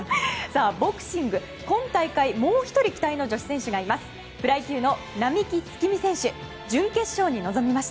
ボクシング、今大会もう１人期待の女子選手がいます。